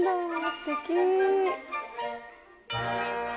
すてき。